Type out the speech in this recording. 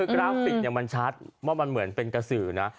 กราฟิกมันชัดว่ามันเหมือนเป็นกระสือนะ